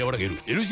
⁉ＬＧ